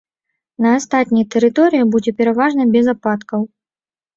На астатняй тэрыторыі будзе пераважна без ападкаў.